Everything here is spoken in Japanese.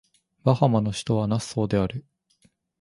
バハマの首都はナッソーである